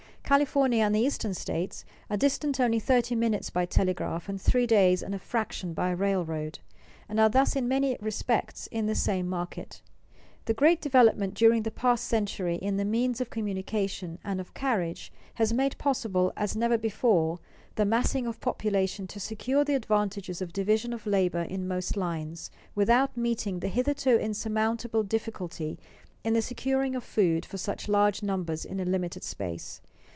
California and the eastern states are distant only thirty minutes by telegraph and three days and a fraction by railroad, and are thus in many respects in the same market. The great development during the past century in the means of communication and of carriage has made possible, as never before, the massing of population to secure the advantages of division of labor in most lines, without meeting the hitherto insurmountable difficulty in the securing of food for such large numbers in a limited space.